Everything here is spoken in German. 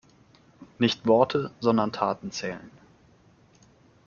Nicht Worte, sondern Taten zählen.